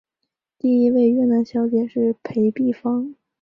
第一位越南小姐是裴碧芳。